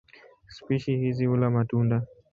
Spishi hizi hula matunda.